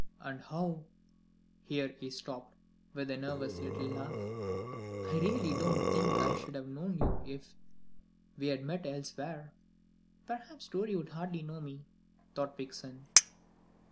"And how " here he stopped, with a little nervous laugh; "I really don't think I should have known you if we had met elsewhere." "Perhaps Rorie would hardly know me," thought Vixen.